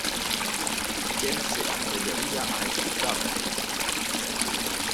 Quien se atreveria à escuchar?